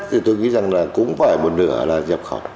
thì tôi nghĩ rằng là cũng phải một nửa là nhập khẩu